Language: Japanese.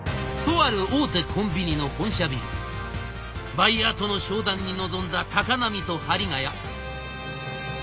バイヤーとの商談に臨んだ高波と針ヶ谷。